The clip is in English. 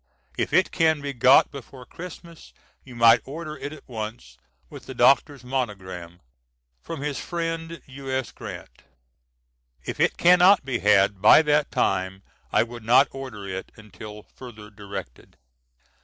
If it can be got before Christmas you might order it at once, with the Doctor's monogram from his friend U.S. Grant . If it cannot be had by that time I would not order it until further directed.